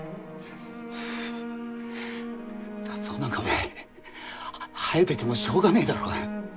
雑草なんかお前生えててもしょうがねえだろうが。